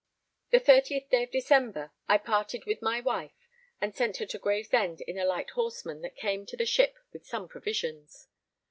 The 30th day of December, I parted with my wife and sent her to Gravesend in a light horseman that came to the ship with some provisions.